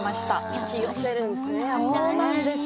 引き寄せるんだね。